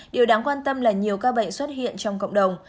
điều đáng quan tâm là nhiều ca bệnh xuất hiện trong cộng đồng